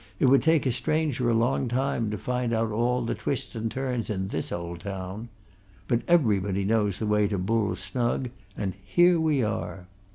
"It would take a stranger a long time to find out all the twists and turns in this old town. But everybody knows the way to Bull's Snug and here we are!"